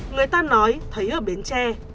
người ta nói thấy ở bến tre